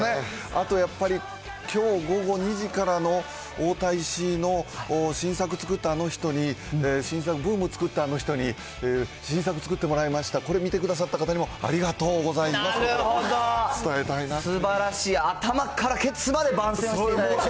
あとやっぱり、きょう午後２時からの太田×石井の新作作ったあの人に新作ブームつくったあの人に新作作ってもらいました、これ見てくださった方にも、ありがとうございますと伝えたいなと。